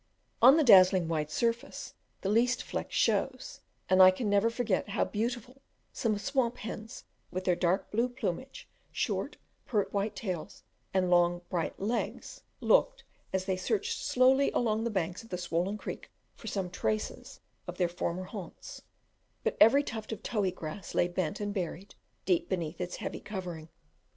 On the dazzling white surface the least fleck shows, and I can never forget how beautiful some swamp hens, with their dark blue plumage, short, pert, white tails, and long bright legs, looked, as they searched slowly along the banks of the swollen creek for some traces of their former haunts; but every tuft of tohi grass lay bent and buried deep beneath its heavy covering.